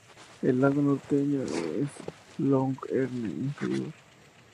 El lago norteño es ‘’Lough Erne Inferior’’.